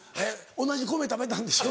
同じ米食べたんでしょ？